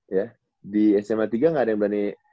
ya di sma tiga nggak ada yang berani